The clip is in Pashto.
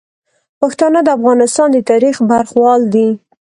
پښتانه د افغانستان د تاریخ برخوال دي.